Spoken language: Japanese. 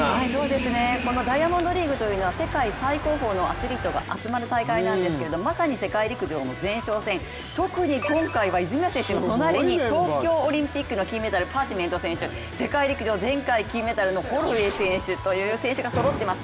このダイヤモンドリーグというのは世界最高峰のアスリートが集まる大会なんですけどもまさに世界陸上の前哨戦、特に今回は泉谷選手の隣に東京オリンピックの金メダル、パーチメント選手世界陸上、前回金メダルのホロウェイ選手がそろっています。